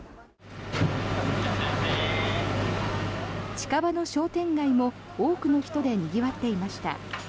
近場の商店街も多くの人でにぎわっていました。